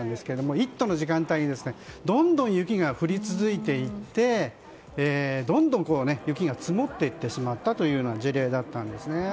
「イット！」の時間帯にどんどん雪が降り続いていってどんどん雪が積もっていってしまったといった事例だったんですね。